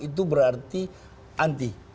itu berarti anti